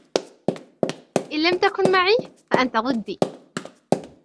إن لم تكن معي فأنت ضدي.